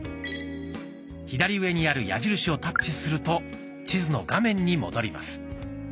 左上にある矢印をタッチすると地図の画面に戻ります。